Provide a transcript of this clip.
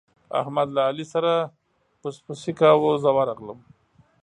احمد له علي سره پسپسی کاوو، زه ورغلم.